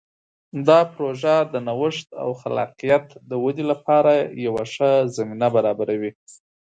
دا پروژه د نوښت او خلاقیت د ودې لپاره یوه ښه زمینه برابروي.